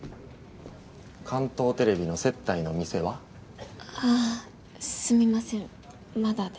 関東テレビの接待の店は？あっすみませんまだで。